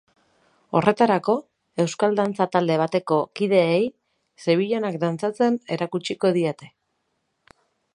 Horretarako, euskal dantza talde bateko kideei sevillanak dantzatzen erakutsiko diete.